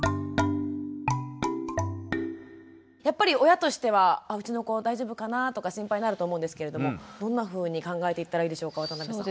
やっぱり親としてはうちの子大丈夫かな？とか心配になると思うんですけれどもどんなふうに考えていったらいいでしょうか渡邊さん。